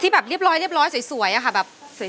ที่แบบเรียบร้อยสวยอะค่ะ